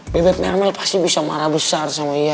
bebek melmel pasti bisa marah besar sama ian